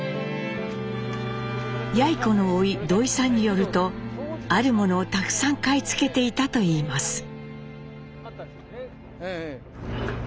やい子のおい土井さんによるとあるものをたくさん買い付けていたといいます。